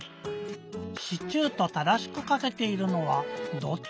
「シチュー」と正しくかけているのはどっち？